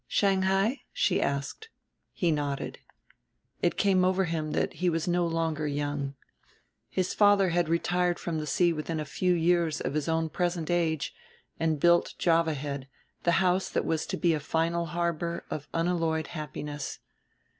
"Shanghai?" she asked. He nodded. It came over him that he was no longer young. His father had retired from the sea within a few years of his own present age and built Java Head, the house that was to be a final harbor of unalloyed happiness.